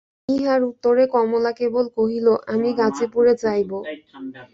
ইহার উত্তরে কমলা কেবল কহিল, আমি গাজিপুরে যাইব।